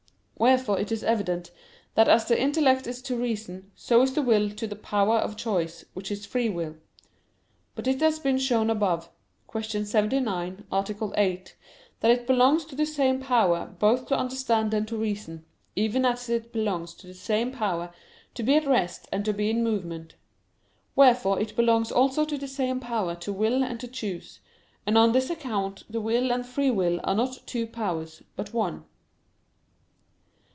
Wherefore it is evident that as the intellect is to reason, so is the will to the power of choice, which is free will. But it has been shown above (Q. 79, A. 8) that it belongs to the same power both to understand and to reason, even as it belongs to the same power to be at rest and to be in movement. Wherefore it belongs also to the same power to will and to choose: and on this account the will and the free will are not two powers, but one.